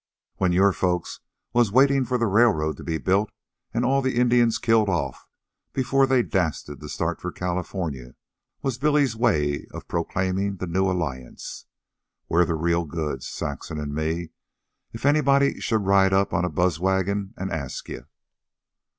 "When your folks was waitin' for the railroad to be built an' all the Indians killed off before they dasted to start for California," was Billy's way of proclaiming the new alliance. "We're the real goods, Saxon an' me, if anybody should ride up on a buzz wagon an' ask you."